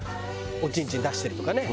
おちんちん出してるとかね。